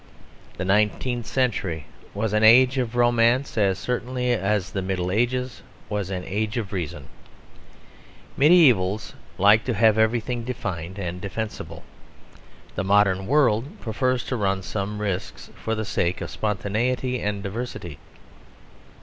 The nineteenth century was an age of romance as certainly as the Middle Ages was an age of reason. Mediævals liked to have everything defined and defensible; the modern world prefers to run some risks for the sake of spontaneity and diversity.